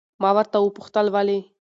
ما ورته وپوښتل ولې؟